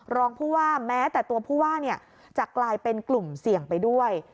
รองผู้ว่าแม้แต่ตัวผู้ว่าจะกลายเป็นกลุ่มเสี่ยงไปด้วย